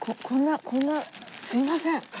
こんなこんなすいません。